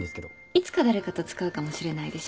いつか誰かと使うかもしれないでしょ？